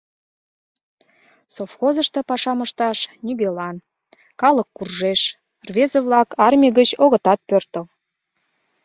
Совхозышто пашам ышташ нигӧлан, калык куржеш, рвезе-влак армий гыч огытат пӧртыл.